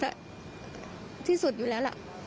ที่สุดค่ะที่สุดอยู่แล้วล่ะ